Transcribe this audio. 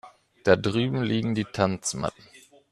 Da drüben liegen die Tanzmatten.